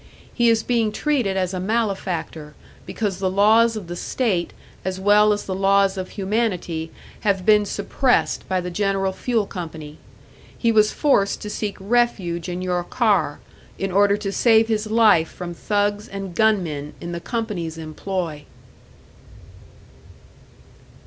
He is being treated as a malefactor, because the laws of the state, as well as the laws of humanity, have been suppressed by the General Fuel Company; he was forced to seek refuge in your car, in order to save his life from thugs and gunmen in the company's employ!"